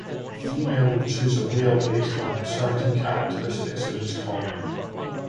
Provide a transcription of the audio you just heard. A female will choose a male based on certain characteristics of his call.